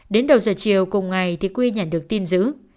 đến đầu giờ chiều cùng ngày thì quy nhận được tin giữ